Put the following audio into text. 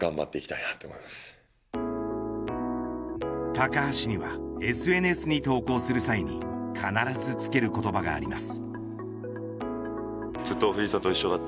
高橋にはＳＮＳに投稿する際に必ず付ける言葉があります。